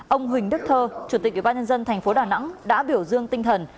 ông huỳnh đức thơ chủ tịch ủy ban nhân dân thành phố đà nẵng đã biểu dương tinh thần